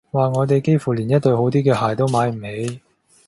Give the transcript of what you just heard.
話我哋幾乎連一對好啲嘅鞋都買唔起